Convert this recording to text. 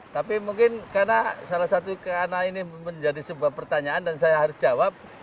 tapi mungkin karena salah satu karena ini menjadi sebuah pertanyaan dan saya harus jawab